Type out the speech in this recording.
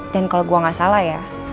dan kalau gue nggak salah ya